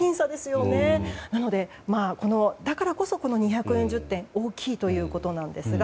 なのでだからこそ２４０点は大きいということなんですが。